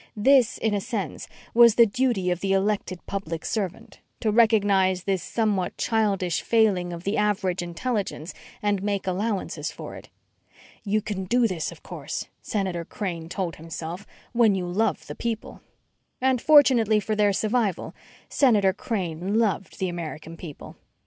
This, in a sense, was the duty of the elected public servant to recognize this somewhat childish failing of the average intelligence and make allowances for it. You can do this, of course, Senator Crane told himself, when you love the people. And, fortunately for their survival, Senator Crane loved the American people.